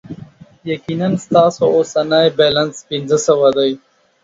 یقینا، ستاسو اوسنی بیلانس پنځه سوه دی.